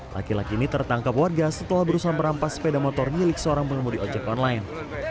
laki laki ini tertangkap warga setelah berusaha merampas sepeda motor milik seorang pengemudi ojek online